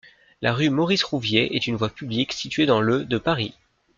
La rue Maurice-Rouvier est une voie publique située dans le de Paris.